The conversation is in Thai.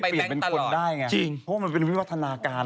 เพราะว่ามันเป็นวิวัฒนาการ